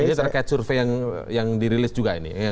ini terkait survei yang dirilis juga ini